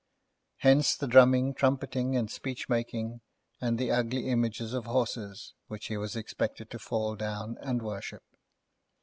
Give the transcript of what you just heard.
Hence the drumming, trumpeting, and speech making, and the ugly images of horses which he was expected to fall down and worship.